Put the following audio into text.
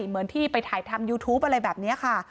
เหมือนที่ไปถ่ายทำยูทูปอะไรแบบนี้ค่ะ